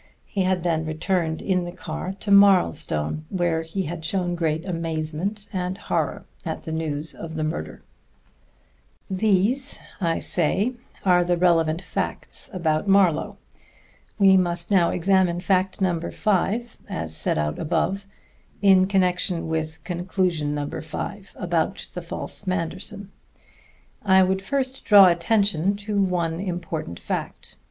He had then returned in the car to Marlstone, where he had shown great amazement and horror at the news of the murder. These, I say, are the relevant facts about Marlowe. We must now examine fact number five (as set out above) in connection with conclusion number five about the false Manderson. I would first draw attention to one important fact.